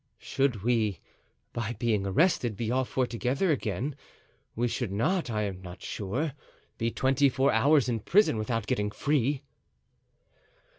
"Should we, by being arrested, be all four together again, we should not, I am not sure, be twenty four hours in prison without getting free."